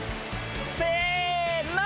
せの！